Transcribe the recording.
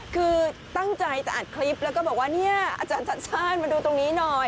คือตั้งใจจะอัดคลิปแล้วก็บอกว่าเนี่ยอาจารย์ชัดชาติมาดูตรงนี้หน่อย